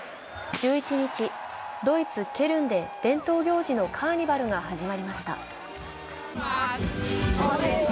１１日、ドイツ・ケルンで伝統行事のカーニバルが始まりました。